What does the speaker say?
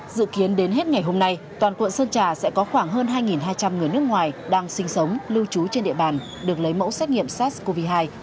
dự kiến đến hết ngày hôm nay toàn quận sơn trà sẽ có khoảng hơn hai hai trăm linh người nước ngoài đang sinh sống lưu trú trên địa bàn được lấy mẫu xét nghiệm sars cov hai